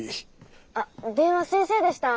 あっ電話先生でした？